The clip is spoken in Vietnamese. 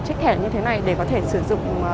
chiếc thẻ như thế này để có thể sử dụng